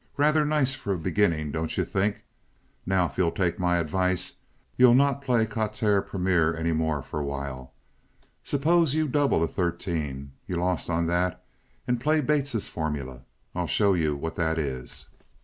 Rather nice for a beginning, don't you think? Now, if you'll take my advice you'll not play quatre premier any more for a while. Suppose you double a thirteen—you lost on that—and play Bates's formula. I'll show you what that is."